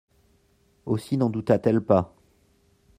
Aussi n'en douta-t-elle pas.